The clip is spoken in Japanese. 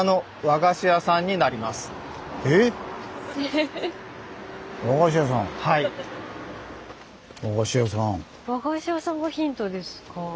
和菓子屋さんがヒントですか。